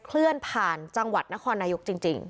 เคลื่อนผ่านจังหวัดนครนายกจริง